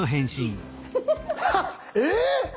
えっ⁉